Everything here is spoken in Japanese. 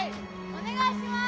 お願いします！